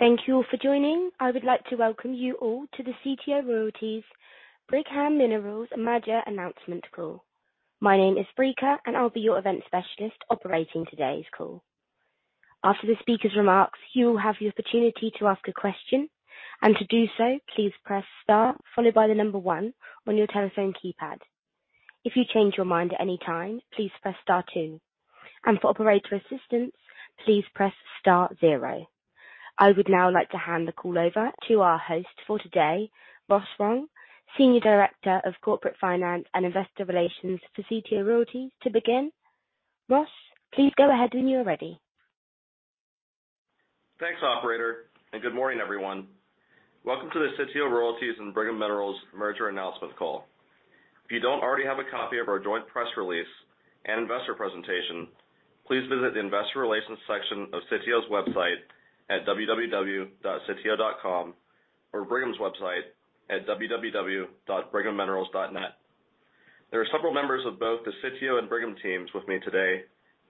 Thank you all for joining. I would like to welcome you all to the Sitio Royalties, Brigham Minerals Merger Announcement Call. My name is Brika, and I'll be your event specialist operating today's call. After the speaker's remarks, you will have the opportunity to ask a question. To do so, please press star followed by the number one on your telephone keypad. If you change your mind at any time, please press star two. For operator assistance, please press star zero. I would now like to hand the call over to our host for today, Ross Wong, Senior Director of Corporate Finance and Investor Relations for Sitio Royalties, to begin. Ross, please go ahead when you are ready. Thanks, operator, and good morning, everyone. Welcome to the Sitio Royalties and Brigham Minerals Merger Announcement Call. If you don't already have a copy of our joint press release and investor presentation, please visit the Investor Relations section of Sitio's website at www.sitio.com or Brigham's website at www.brighamminerals.net. There are several members of both the Sitio and Brigham teams with me today,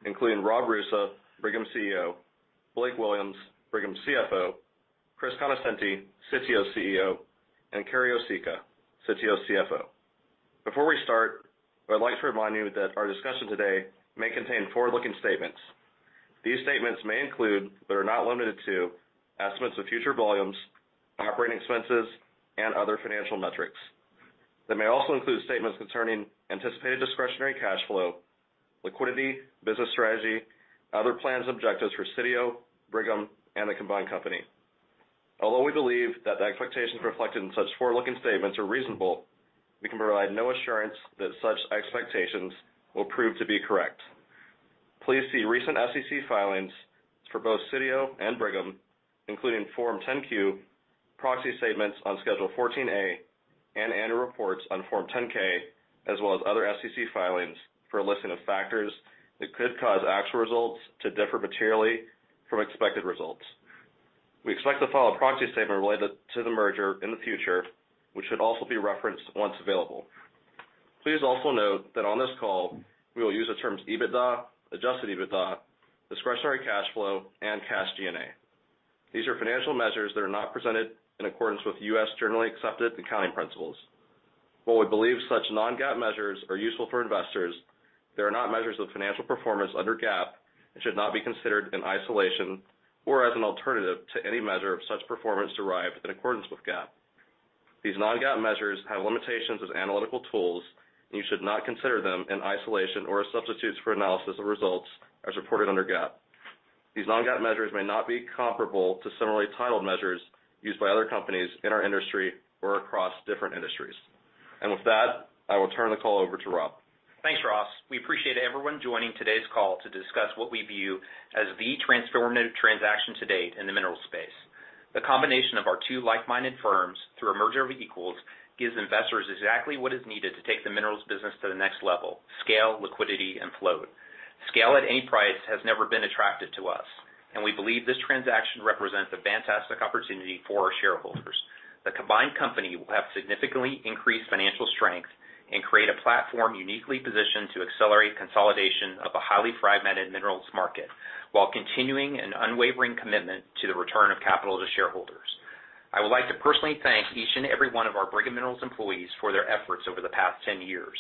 including Rob Roosa, Brigham's CEO, Blake Williams, Brigham's CFO, Chris Conoscenti, Sitio's CEO, and Carrie Osicka, Sitio's CFO. Before we start, I'd like to remind you that our discussion today may contain forward-looking statements. These statements may include, but are not limited to, estimates of future volumes, operating expenses, and other financial metrics. They may also include statements concerning anticipated discretionary cash flow, liquidity, business strategy, other plans, objectives for Sitio, Brigham, and the combined company. Although we believe that the expectations reflected in such forward-looking statements are reasonable, we can provide no assurance that such expectations will prove to be correct. Please see recent SEC filings for both Sitio and Brigham, including Form 10-Q, proxy statements on Schedule 14A, and annual reports on Form 10-K, as well as other SEC filings for a list of factors that could cause actual results to differ materially from expected results. We expect to file a proxy statement related to the merger in the future, which should also be referenced once available. Please also note that on this call, we will use the terms EBITDA, adjusted EBITDA, discretionary cash flow, and cash G&A. These are financial measures that are not presented in accordance with U.S. generally accepted accounting principles. While we believe such non-GAAP measures are useful for investors, they are not measures of financial performance under GAAP and should not be considered in isolation or as an alternative to any measure of such performance derived in accordance with GAAP. These non-GAAP measures have limitations as analytical tools, and you should not consider them in isolation or as substitutes for analysis of results as reported under GAAP. These non-GAAP measures may not be comparable to similarly titled measures used by other companies in our industry or across different industries. With that, I will turn the call over to Rob. Thanks, Ross. We appreciate everyone joining today's call to discuss what we view as the transformative transaction to date in the minerals space. The combination of our two like-minded firms through a merger of equals gives investors exactly what is needed to take the minerals business to the next level, scale, liquidity, and flow. Scale at any price has never been attractive to us, and we believe this transaction represents a fantastic opportunity for our shareholders. The combined company will have significantly increased financial strength and create a platform uniquely positioned to accelerate consolidation of a highly fragmented minerals market while continuing an unwavering commitment to the return of capital to shareholders. I would like to personally thank each and every one of our Brigham Minerals employees for their efforts over the past 10 years.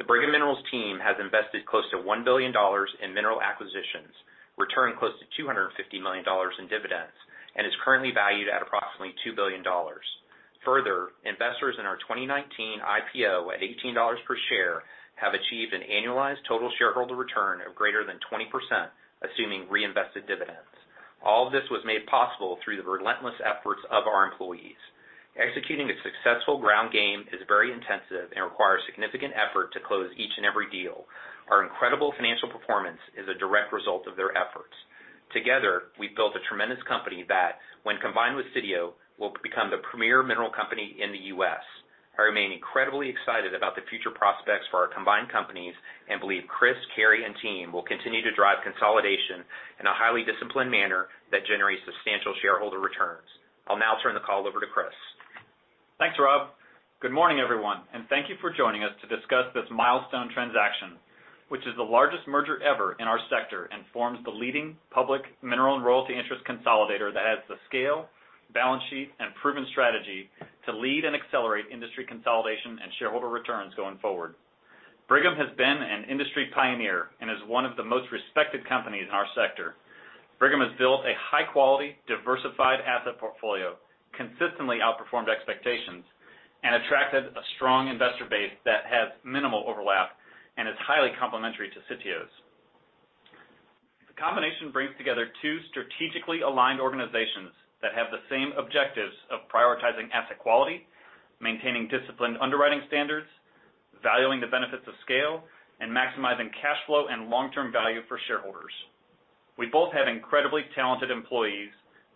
The Brigham Minerals team has invested close to $1 billion in mineral acquisitions, returned close to $250 million in dividends, and is currently valued at approximately $2 billion. Further, investors in our 2019 IPO at $18 per share have achieved an annualized total shareholder return of greater than 20%, assuming reinvested dividends. All of this was made possible through the relentless efforts of our employees. Executing a successful ground game is very intensive and requires significant effort to close each and every deal. Our incredible financial performance is a direct result of their efforts. Together, we've built a tremendous company that, when combined with Sitio, will become the premier mineral company in the U.S. I remain incredibly excited about the future prospects for our combined companies and believe Chris, Carrie, and team will continue to drive consolidation in a highly disciplined manner that generates substantial shareholder returns. I'll now turn the call over to Chris. Thanks, Rob. Good morning, everyone, and thank you for joining us to discuss this milestone transaction, which is the largest merger ever in our sector and forms the leading public mineral and royalty interest consolidator that has the scale, balance sheet, and proven strategy to lead and accelerate industry consolidation and shareholder returns going forward. Brigham has been an industry pioneer and is one of the most respected companies in our sector. Brigham has built a high-quality, diversified asset portfolio, consistently outperformed expectations, and attracted a strong investor base that has minimal overlap and is highly complementary to Sitio's. The combination brings together two strategically aligned organizations that have the same objectives of prioritizing asset quality, maintaining disciplined underwriting standards, valuing the benefits of scale, and maximizing cash flow and long-term value for shareholders. We both have incredibly talented employees,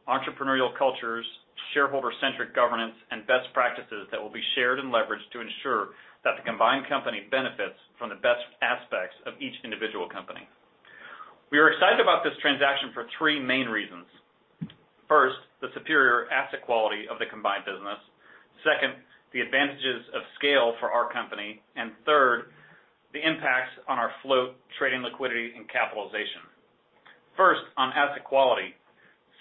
entrepreneurial cultures, shareholder-centric governance, and best practices that will be shared and leveraged to ensure that the combined company benefits from the best aspects of each individual company. We are excited about this transaction for three main reasons. First, the superior asset quality of the combined business. Second, the advantages of scale for our company. Third, the impacts on our float, trading liquidity, and capitalization. First, on asset quality.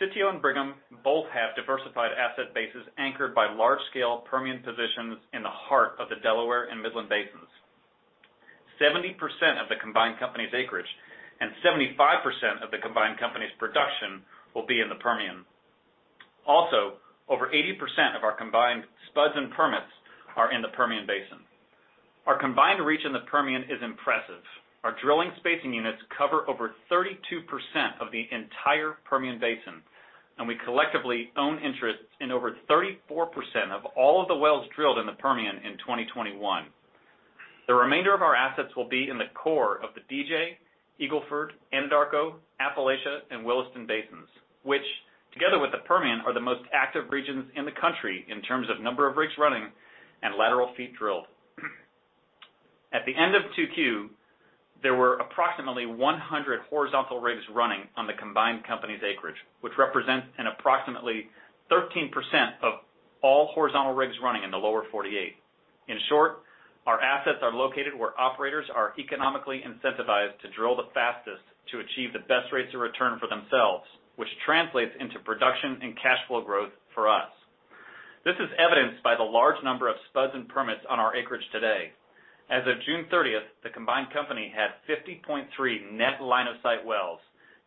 Sitio and Brigham both have diversified asset bases anchored by large scale Permian positions in the heart of the Delaware and Midland Basins. 70% of the combined company's acreage and 75% of the combined company's production will be in the Permian. Also, over 80% of our combined spuds and permits are in the Permian Basin. Our combined reach in the Permian is impressive. Our drilling spacing units cover over 32% of the entire Permian Basin, and we collectively own interests in over 34% of all of the wells drilled in the Permian in 2021. The remainder of our assets will be in the core of the DJ, Eagle Ford, Anadarko, Appalachia, and Williston Basins, which together with the Permian, are the most active regions in the country in terms of number of rigs running and lateral feet drilled. At the end of 2Q, there were approximately 100 horizontal rigs running on the combined company's acreage, which represents an approximately 13% of all horizontal rigs running in the lower 48. In short, our assets are located where operators are economically incentivized to drill the fastest to achieve the best rates of return for themselves, which translates into production and cash flow growth for us. This is evidenced by the large number of spuds and permits on our acreage today. As of June 30th, the combined company had 50.3 net line of sight wells.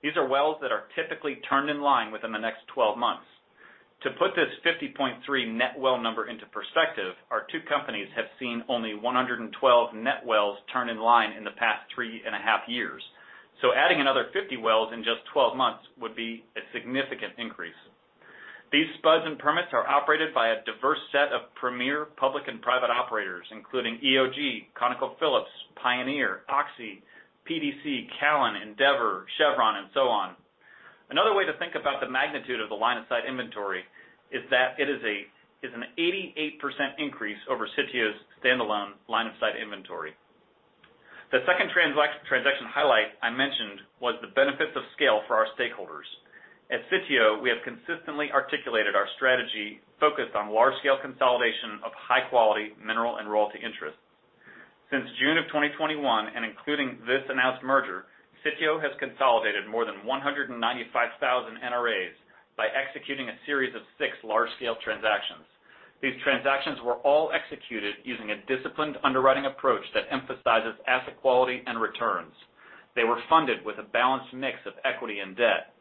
These are wells that are typically turned in line within the next 12 months. To put this 50.3 net well number into perspective, our two companies have seen only 112 net wells turn in line in the past 3.5 years. Adding another 50 wells in just 12 months would be a significant increase. These spuds and permits are operated by a diverse set of premier public and private operators, including EOG, ConocoPhillips, Pioneer, Oxy, PDC, Callon, Endeavor, Chevron and so on. Another way to think about the magnitude of the line of sight inventory is that it is an 88% increase over Sitio's standalone line of sight inventory. The second transaction highlight I mentioned was the benefits of scale for our stakeholders. At Sitio, we have consistently articulated our strategy focused on large scale consolidation of high quality mineral and royalty interests. Since June of 2021, and including this announced merger, Sitio has consolidated more than 195,000 NRAs by executing a series of six large scale transactions. These transactions were all executed using a disciplined underwriting approach that emphasizes asset quality and returns. They were funded with a balanced mix of equity and debt.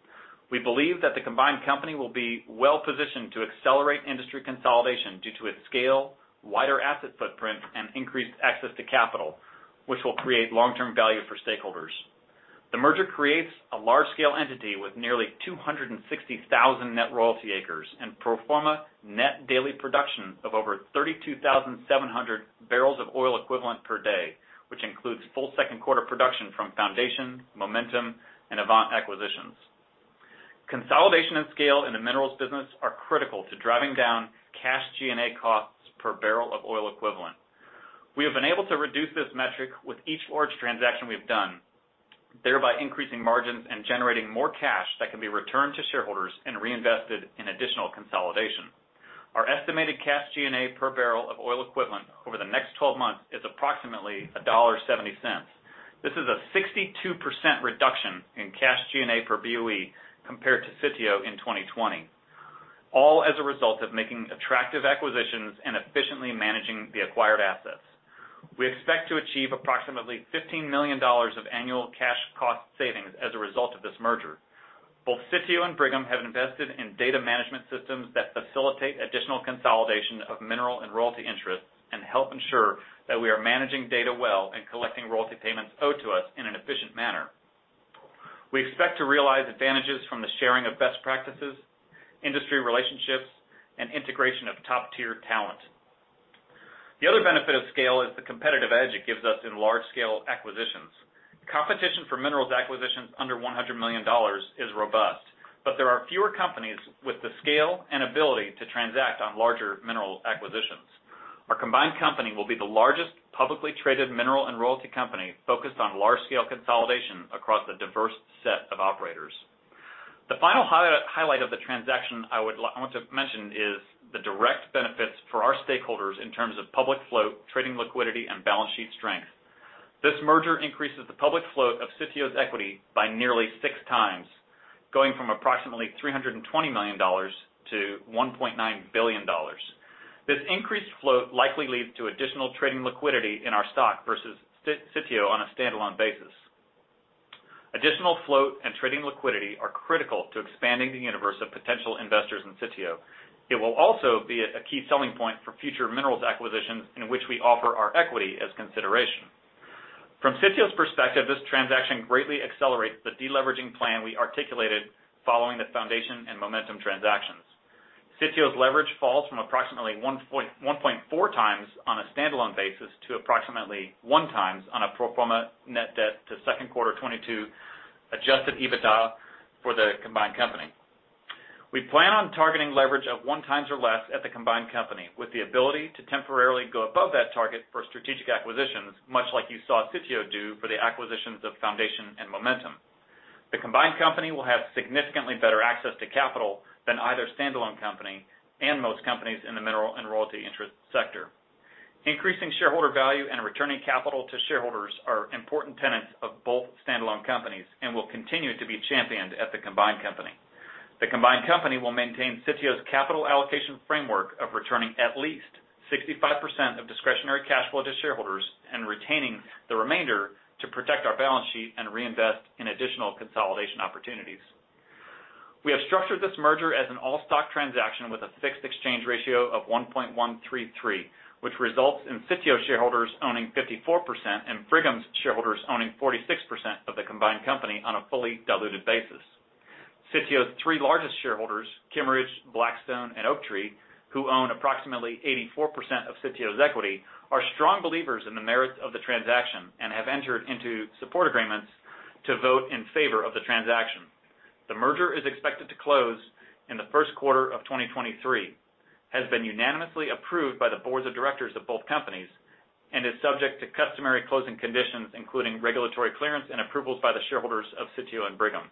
We believe that the combined company will be well-positioned to accelerate industry consolidation due to its scale, wider asset footprint, and increased access to capital, which will create long-term value for stakeholders. The merger creates a large scale entity with nearly 260,000 net royalty acres and pro forma net daily production of over 32,700 BOE/D, which includes full second quarter production from Foundation, Momentum, and Avant acquisitions. Consolidation and scale in the minerals business are critical to driving down cash G&A costs per barrel of oil equivalent. We have been able to reduce this metric with each large transaction we've done, thereby increasing margins and generating more cash that can be returned to shareholders and reinvested in additional consolidation. Our estimated cash G&A per barrel of oil equivalent over the next 12 months is approximately $1.70. This is a 62% reduction in cash G&A per BOE compared to Sitio in 2020, all as a result of making attractive acquisitions and efficiently managing the acquired assets. We expect to achieve approximately $15 million of annual cash cost savings as a result of this merger. Both Sitio and Brigham have invested in data management systems that facilitate additional consolidation of mineral and royalty interests and help ensure that we are managing data well and collecting royalty payments owed to us in an efficient manner. We expect to realize advantages from the sharing of best practices, industry relationships, and integration of top-tier talent. The other benefit of scale is the competitive edge it gives us in large scale acquisitions. Competition for minerals acquisitions under $100 million is robust, but there are fewer companies with the scale and ability to transact on larger minerals acquisitions. Our combined company will be the largest publicly traded mineral and royalty company focused on large scale consolidation across a diverse set of operators. The final highlight of the transaction I want to mention is the direct benefits for our stakeholders in terms of public float, trading liquidity, and balance sheet strength. This merger increases the public float of Sitio's equity by nearly 6x, going from approximately $320 million to $1.9 billion. This increased float likely leads to additional trading liquidity in our stock versus Sitio on a standalone basis. Additional float and trading liquidity are critical to expanding the universe of potential investors in Sitio. It will also be a key selling point for future minerals acquisitions in which we offer our equity as consideration. From Sitio's perspective, this transaction greatly accelerates the deleveraging plan we articulated following the Foundation and Momentum transactions. Sitio's leverage falls from approximately 1.4x on a standalone basis to approximately 1x on a pro forma net debt to second quarter 2022 adjusted EBITDA for the combined company. We plan on targeting leverage of 1x or less at the combined company, with the ability to temporarily go above that target for strategic acquisitions, much like you saw Sitio do for the acquisitions of Foundation and Momentum. The combined company will have significantly better access to capital than either standalone company and most companies in the mineral and royalty interest sector. Increasing shareholder value and returning capital to shareholders are important tenets of both standalone companies and will continue to be championed at the combined company. The combined company will maintain Sitio's capital allocation framework of returning at least 65% of discretionary cash flow to shareholders and retaining the remainder to protect our balance sheet and reinvest in additional consolidation opportunities. We have structured this merger as an all-stock transaction with a fixed exchange ratio of 1.133, which results in Sitio shareholders owning 54% and Brigham's shareholders owning 46% of the combined company on a fully diluted basis. Sitio's three largest shareholders, Kimmeridge, Blackstone, and Oaktree, who own approximately 84% of Sitio's equity, are strong believers in the merits of the transaction and have entered into support agreements to vote in favor of the transaction. The merger is expected to close in the first quarter of 2023, has been unanimously approved by the Boards of Directors of both companies, and is subject to customary closing conditions, including regulatory clearance and approvals by the shareholders of Sitio and Brigham.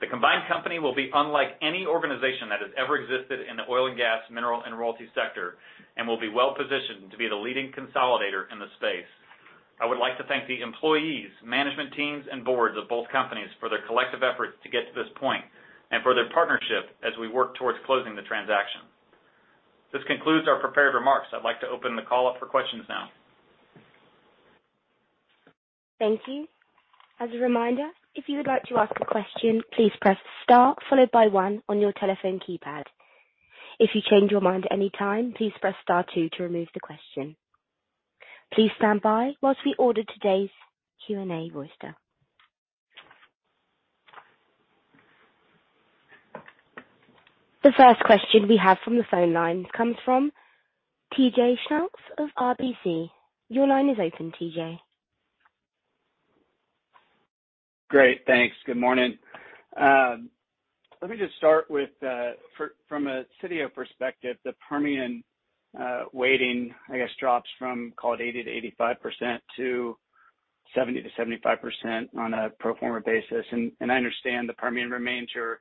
The combined company will be unlike any organization that has ever existed in the oil and gas, mineral, and royalty sector and will be well-positioned to be the leading consolidator in the space. I would like to thank the employees, management teams, and Boards of both companies for their collective efforts to get to this point and for their partnership as we work towards closing the transaction. This concludes our prepared remarks. I'd like to open the call up for questions now. Thank you. As a reminder, if you would like to ask a question, please press star followed by one on your telephone keypad. If you change your mind at any time, please press star two to remove the question. Please stand by while we order today's Q&A roster. The first question we have from the phone line comes from TJ Schultz of RBC. Your line is open, TJ. Great. Thanks. Good morning. Let me just start with, from a Sitio perspective, the Permian weighting, I guess, drops from call it 80%-85% to 70%-75% on a pro forma basis. I understand the Permian remains your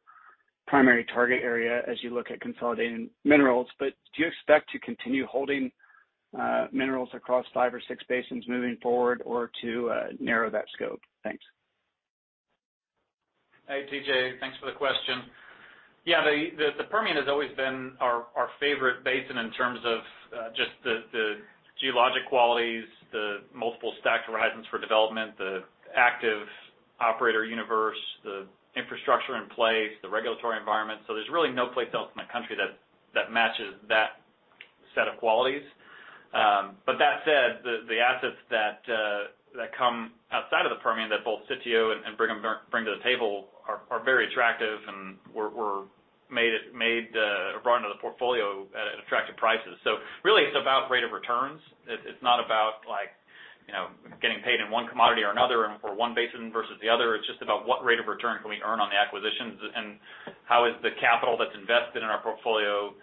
primary target area as you look at consolidating minerals, but do you expect to continue holding minerals across five or six basins moving forward or to narrow that scope? Thanks. Hey, TJ. Thanks for the question. Yeah. The Permian has always been our favorite basin in terms of just the geologic qualities, the multiple stack horizons for development, the active operator universe, the infrastructure in place, the regulatory environment. There's really no place else in the country that matches that set of qualities. That said, the assets that come outside of the Permian that both Sitio and Brigham bring to the table are very attractive and were made to round out the portfolio at attractive prices. Really it's about rate of returns. It's not about like, you know, getting paid in one commodity or another or one basin versus the other. It's just about what rate of return can we earn on the acquisitions and how is the capital that's invested in our portfolio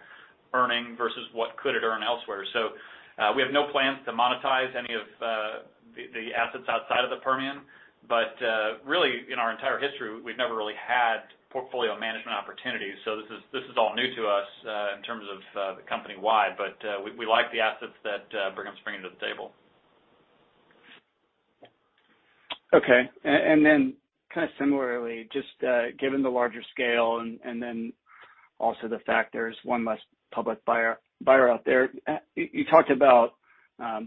earning versus what could it earn elsewhere. We have no plans to monetize any of the assets outside of the Permian, but really, in our entire history, we've never really had portfolio management opportunities. This is all new to us in terms of the company-wide. We like the assets that Brigham's bringing to the table. Okay. Kind of similarly, just, given the larger scale and then also the fact there's one less public buyer out there, you talked about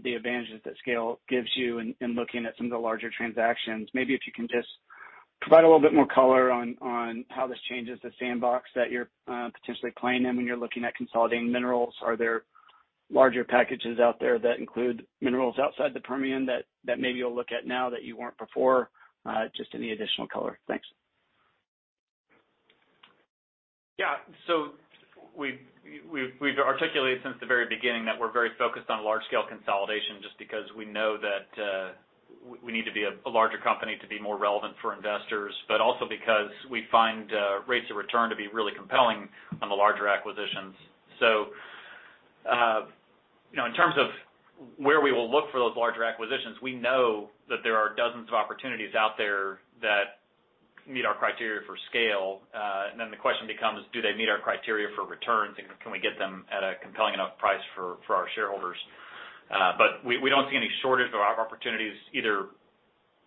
the advantages that scale gives you in looking at some of the larger transactions. Maybe if you can just provide a little bit more color on how this changes the sandbox that you're potentially playing in when you're looking at consolidating minerals. Are there larger packages out there that include minerals outside the Permian that maybe you'll look at now that you weren't before? Just any additional color. Thanks. Yeah. We've articulated since the very beginning that we're very focused on large scale consolidation just because we know that we need to be a larger company to be more relevant for investors, but also because we find rates of return to be really compelling on the larger acquisitions. You know, in terms of where we will look for those larger acquisitions, we know that there are dozens of opportunities out there that meet our criteria for scale. Then the question becomes, do they meet our criteria for returns? And can we get them at a compelling enough price for our shareholders? We don't see any shortage of opportunities either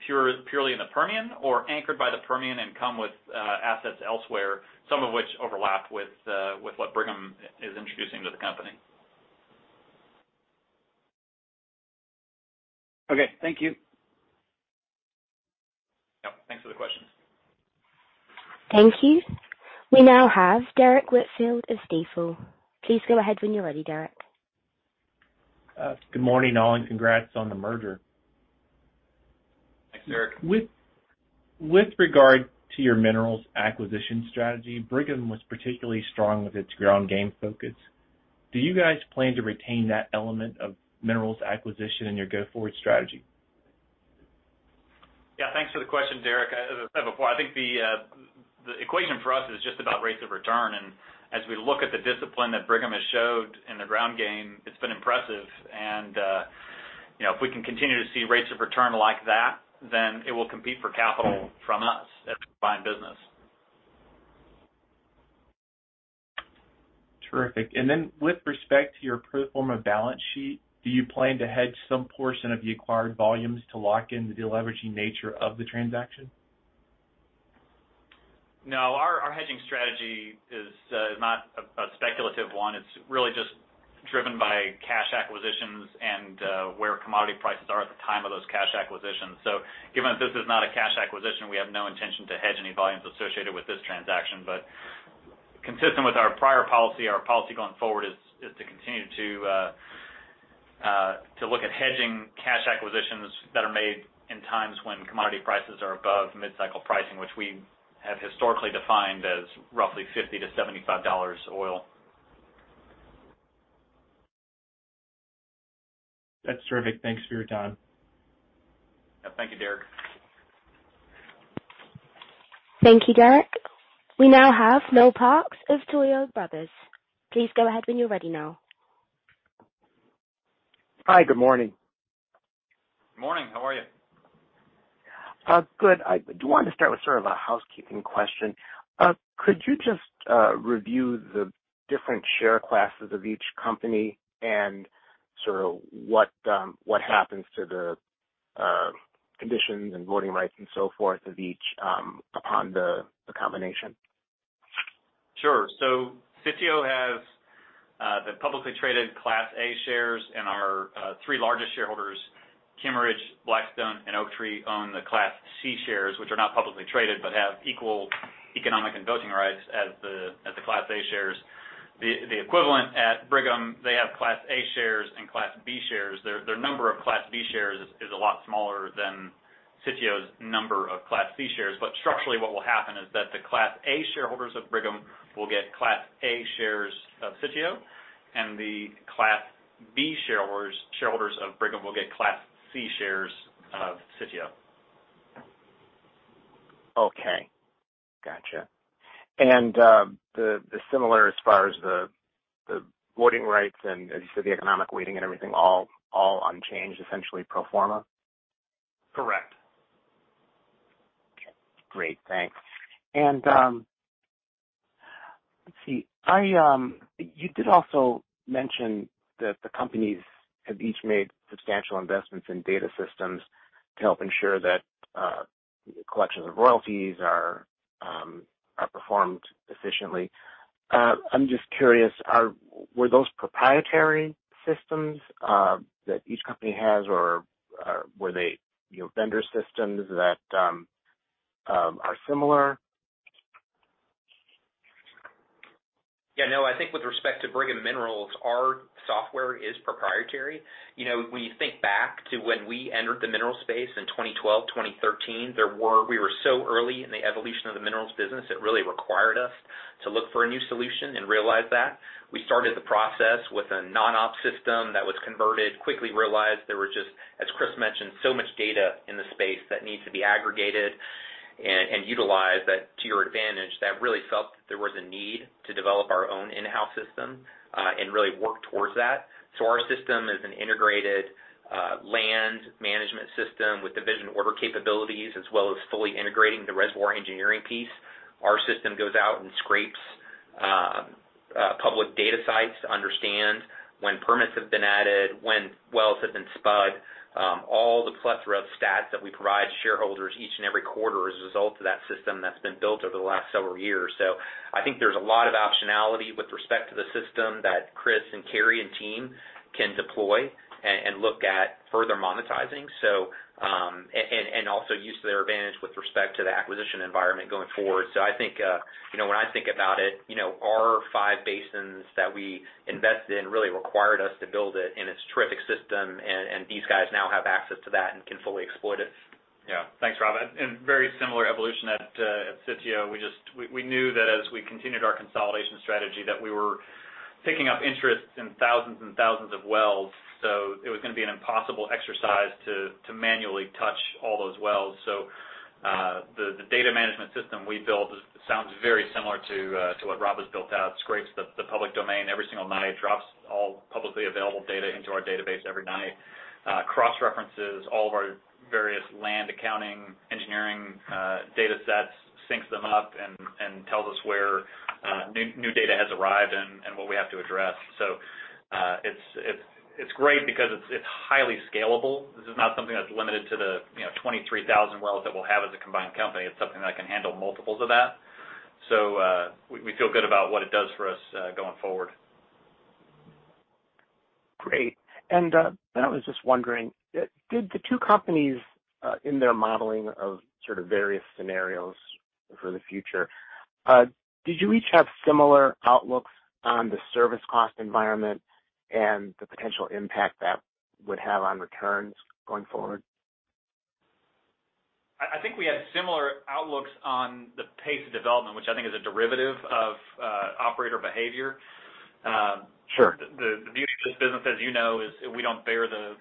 purely in the Permian or anchored by the Permian and come with assets elsewhere. Some of which overlap with what Brigham is introducing to the company. Okay. Thank you. Yep. Thanks for the question. Thank you. We now have Derrick Whitfield of Stifel. Please go ahead when you're ready, Derrick. Good morning, all, and congrats on the merger. Thanks, Derrick. With regard to your minerals acquisition strategy, Brigham was particularly strong with its ground game focus. Do you guys plan to retain that element of minerals acquisition in your go-forward strategy? Yeah. Thanks for the question, Derrick. As I said before, I think the equation for us is just about rates of return. As we look at the discipline that Brigham has showed in the ground game, it's been impressive. You know, if we can continue to see rates of return like that, then it will compete for capital from us as we combine business. Terrific. With respect to your pro forma balance sheet, do you plan to hedge some portion of the acquired volumes to lock in the deleveraging nature of the transaction? No, our hedging strategy is not a speculative one. It's really just driven by cash acquisitions and where commodity prices are at the time of those cash acquisitions. Given that this is not a cash acquisition, we have no intention to hedge any volumes associated with this transaction. Consistent with our prior policy, our policy going forward is to continue to look at hedging cash acquisitions that are made in times when commodity prices are above mid-cycle pricing, which we have historically defined as roughly $50-$75 oil. That's terrific. Thanks for your time. Yeah. Thank you, Derrick. Thank you, Derrick. We now have Noel Parks of Tuohy Brothers. Please go ahead when you're ready, Noel. Hi, good morning. Good morning. How are you? Good. I do want to start with sort of a housekeeping question. Could you just review the different share classes of each company and sort of what happens to the conditions and voting rights and so forth of each upon the combination? Sure. Sitio has the publicly traded Class A shares. Our three largest shareholders, Kimmeridge, Blackstone, and Oaktree, own the Class C shares, which are not publicly traded, but have equal economic and voting rights as the Class A shares. The equivalent at Brigham, they have Class A shares and Class B shares. Their number of Class B shares is a lot smaller than Sitio's number of Class C shares. But structurally, what will happen is that the Class A shareholders of Brigham will get Class A shares of Sitio, and the Class B shareholders of Brigham will get Class C shares of Sitio. Okay. Gotcha. The similar as far as the voting rights and as you said, the economic weighting and everything all unchanged, essentially pro forma? Correct. Okay, great. Thanks. You did also mention that the companies have each made substantial investments in data systems to help ensure that collections of royalties are performed efficiently. I'm just curious, were those proprietary systems that each company has, or were they, you know, vendor systems that are similar? Yeah, no, I think with respect to Brigham Minerals, our software is proprietary. You know, when you think back to when we entered the minerals space in 2012-2013, we were so early in the evolution of the minerals business. It really required us to look for a new solution and realize that. We started the process with a non-op system that was converted. Quickly realized there were just, as Chris mentioned, so much data in the space that needs to be aggregated and utilized that to your advantage, that really felt that there was a need to develop our own in-house system, and really work towards that. Our system is an integrated land management system with division order capabilities, as well as fully integrating the reservoir engineering piece. Our system goes out and scrapes public data sites to understand when permits have been added, when wells have been spud. All the plethora of stats that we provide to shareholders each and every quarter is a result of that system that's been built over the last several years. I think there's a lot of optionality with respect to the system that Chris and Carrie and team can deploy and look at further monetizing, also use to their advantage with respect to the acquisition environment going forward. I think, you know, when I think about it, you know, our five basins that we invested in really required us to build it, and it's a terrific system, and these guys now have access to that and can fully exploit it. Yeah. Thanks, Rob. Very similar evolution at Sitio. We knew that as we continued our consolidation strategy, that we were picking up interest in thousands and thousands of wells, so it was gonna be an impossible exercise to manually touch all those wells. The data management system we built sounds very similar to what Rob has built out. It scrapes the public domain every single night, drops all publicly available data into our database every night. It cross-references all of our various land accounting, engineering data sets, syncs them up and tells us where new data has arrived and what we have to address. It's great because it's highly scalable. This is not something that's limited to the, you know, 23,000 wells that we'll have as a combined company. It's something that can handle multiples of that. We feel good about what it does for us going forward. Great. I was just wondering, did the two companies in their modeling of sort of various scenarios for the future, did you each have similar outlooks on the service cost environment and the potential impact that would have on returns going forward? I think we had similar outlooks on the pace of development, which I think is a derivative of operator behavior. Sure. The beauty of this business, as you know, is we don't bear the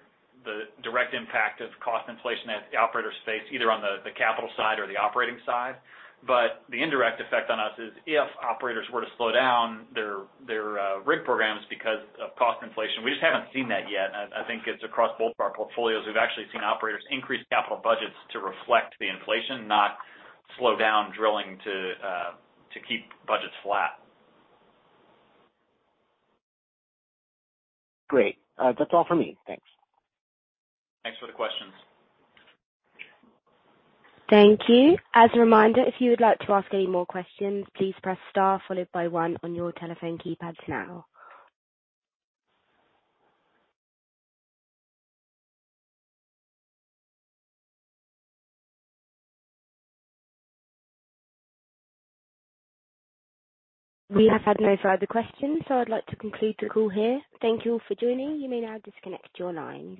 direct impact of cost inflation as the operators face either on the capital side or the operating side. The indirect effect on us is if operators were to slow down their rig programs because of cost inflation, we just haven't seen that yet. I think it's across both of our portfolios. We've actually seen operators increase capital budgets to reflect the inflation, not slow down drilling to keep budgets flat. Great. That's all for me. Thanks. Thanks for the questions. Thank you. As a reminder, if you would like to ask any more questions, please press star followed by one on your telephone keypads now. We have had no further questions, so I'd like to conclude the call here. Thank you all for joining. You may now disconnect your lines.